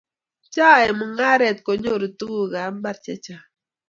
cheae mungaret konyoru tuguk ab mbar chechang